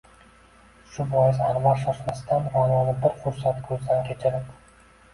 Shu bois Anvar shoshmasdan, Ra’noni bir fursat ko’zdan kechirib